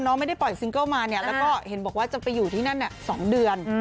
ไม่ได้ปล่อยซิงเกิลมาเนี่ยแล้วก็เห็นบอกว่าจะไปอยู่ที่นั่น๒เดือน